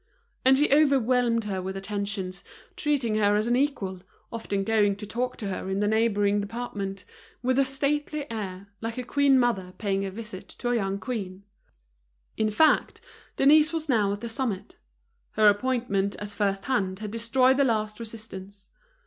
And she overwhelmed her with attentions, treating her as an equal, often going to talk to her in the neighboring department, with a stately air, like a queen mother paying a visit to a young queen. In fact, Denise was now at the summit. Her appointment as first hand had destroyed the last resistance.